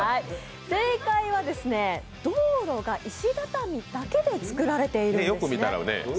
正解は、道路が石畳だけでつくられているんですね。